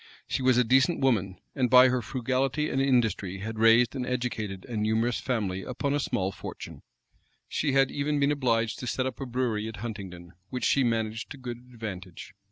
She was a decent woman; and by her frugality and industry had raised and educated a numerous family upon a small fortune. She had even been obliged to set up a brewery at Huntingdon, which she managed to good advantage.